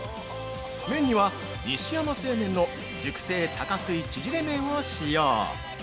麺には西山製麺の熟成多加水ちぢれ麺を使用。